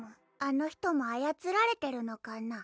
あの人もあやつられてるのかな？